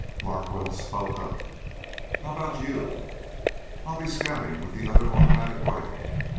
Larkwell spoke up, "How about you?" "I'll be scouting with the other automatic rifle.